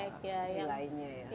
yang tidak ada nilainya ya